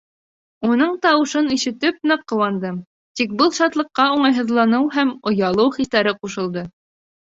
Уның тауышын ишетеп ныҡ ҡыуандым, тик был шатлыҡҡа уңайһыҙланыу һәм оялыу хистәре ҡушылды.